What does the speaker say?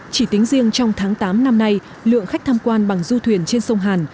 chỉ tính riêng trong tháng tám năm nay lượng khách tham quan bằng du thuyền trên sông hàn